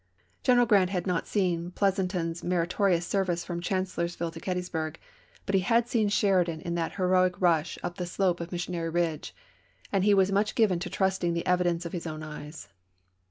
General Grant had not seen Pleason ton's meritorious sei'vice from Chancellorsville to Gettysburg; but he had seen Sheridan in that heroic rush up the slope of Missionary Ridge ; and he was much given to trusting the evidence of his own eyes.